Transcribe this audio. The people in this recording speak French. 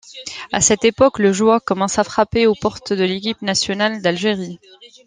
À cette époque le joueur commence à frapper aux portes de l'équipe nationale d'Algérie.